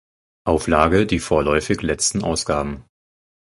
Auflage die vorläufig letzten Ausgaben.